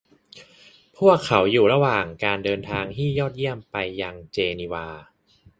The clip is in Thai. พวกเขาอยู่ระหว่างการเดินทางที่ยอดเยี่ยมไปยังเจนีวา